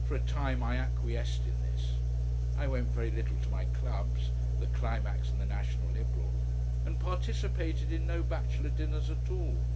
For a time I acquiesced in this. I went very little to my clubs, the Climax and the National Liberal, and participated in no bachelor dinners at all.